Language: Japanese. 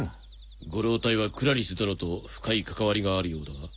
ご老体はクラリス殿と深いかかわりがあるようだが？